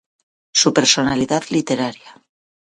Su personalidad literaria.